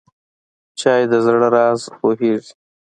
چای د زړه راز پوهیږي.